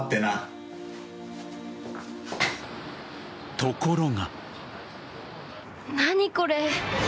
ところが。